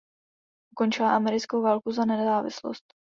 Ukončila americkou válku za nezávislost.